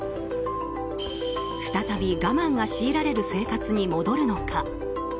再び我慢が強いられる生活に戻るのか。